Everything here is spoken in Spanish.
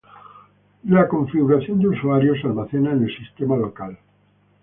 Configuración de usuario se almacenan en el sistema local.